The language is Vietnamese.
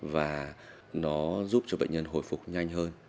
và nó giúp cho bệnh nhân hồi phục nhanh hơn